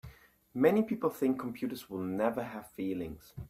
Many people think computers will never have feelings.